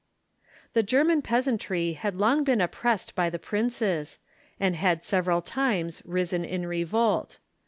The German peasantry had long been oppressed by the princes, and had several times risen in revolt.